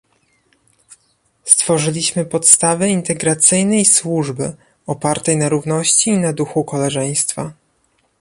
Stworzyliśmy podstawy integracyjnej służby opartej na równości i na duchu koleżeństwa